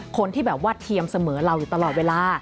คนที่เทียมเสมอเราอยู่ตลอดเวลา